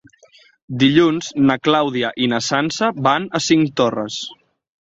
Dilluns na Clàudia i na Sança van a Cinctorres.